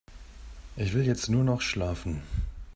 Ich will jetzt nur noch schlafen.